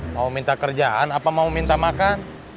mau minta kerjaan apa mau minta makan